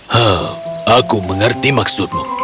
huh aku mengerti maksudmu